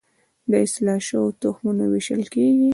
د اصلاح شویو تخمونو ویشل کیږي